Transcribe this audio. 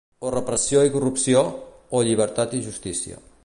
O repressió i corrupció, o llibertat i justícia.